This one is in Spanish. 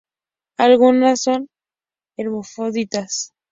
Algunas son hermafroditas.